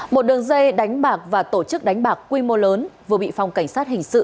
một đường dây đánh bạc và tổ chức đánh bạc quy mô lớn vừa bị phòng cảnh sát hình sự